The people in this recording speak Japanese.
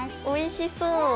おいしそう。